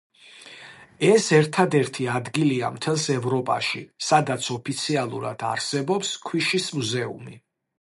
ეს ერთადერთი ადგილია მთელს ევროპაში, სადაც ოფიციალურად არსებობს ქვიშის მუზეუმი.